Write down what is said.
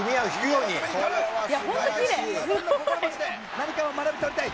何かを学び取りたい。